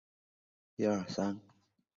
她是帝喾长子帝挚的母亲。